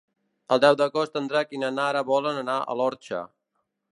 El deu d'agost en Drac i na Nara volen anar a l'Orxa.